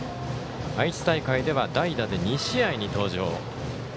愛知大会では代打で２試合に登場。